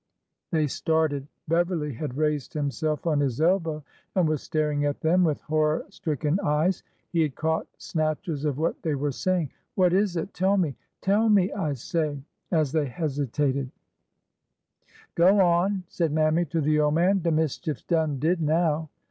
" They started. Beverly had raised himself on his elbow and was staring at them with horror stricken eyes. He had caught snatches of what they were saying. What is it? Tell me! Tell me, I say! " as they hesi tated. 300 ORDER NO 11 '' Go on/' said Mammy to the old man ;'' de mischief 's done did now